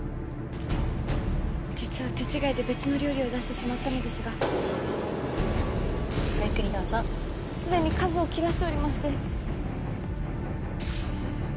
実は手違いで別の料理を出してしまったのですが既に数を切らしておりまして。